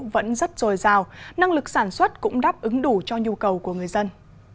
vẫn rất dồi dào năng lực sản xuất cũng đáp ứng đủ cho nhu cầu của người dân